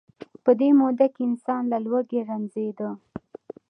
په دې موده کې انسان له لوږې رنځیده.